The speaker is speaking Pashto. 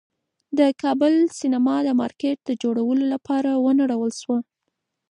د کابل سینما د مارکېټ جوړولو لپاره ونړول شوه.